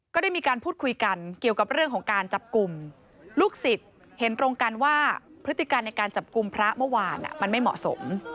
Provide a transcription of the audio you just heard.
ก็ได้มีการพูดคุยกันเกี่ยวกับเรื่องของการจับกลุ่มลูกศิษย์เห็นตรงกันว่าพฤติการในการจับกลุ่มพระเมื่อวานมันไม่เหมาะสม